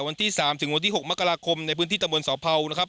วันที่๓ถึงวันที่๖มกราคมในพื้นที่ตะบนเสาเผานะครับ